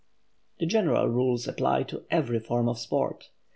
The general rules apply to every form of sport.